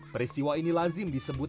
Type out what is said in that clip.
peristiwa ini lazim disebut